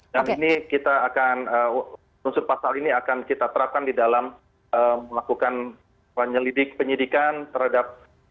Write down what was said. dan ini kita akan unsur pasal ini akan kita terapkan di dalam melakukan penyelidikan terhadap